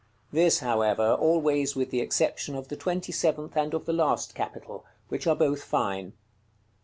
This, however, always with the exception of the twenty seventh and of the last capital, which are both fine.